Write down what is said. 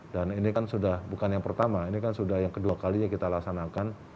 dan ini kan sudah bukan yang pertama ini kan sudah yang kedua kalinya kita laksanakan